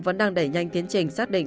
vẫn đang đẩy nhanh tiến trình xác định